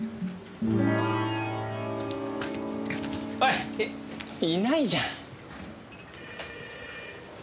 おいっていないじゃん。